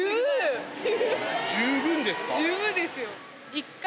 十分ですか。